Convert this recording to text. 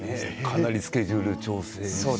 かなりスケジュール調整して。